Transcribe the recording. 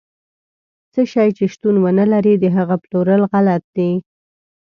څه شی چې شتون ونه لري، د هغه پلورل غلط دي.